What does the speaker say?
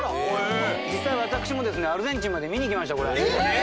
実際、私もアルゼンチンまで見にいきました、これ。